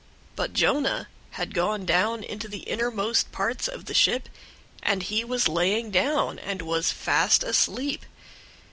But Jonah had gone down into the innermost parts of the ship, and he was laying down, and was fast asleep.